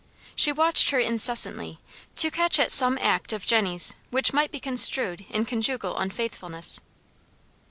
She watched her incessantly, to catch at some act of Jenny's which might be construed into conjugal unfaithfulness.